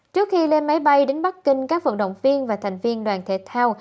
trước khi lên máy bay đến bắc kinh các vận động viên và thành viên đoàn thể thao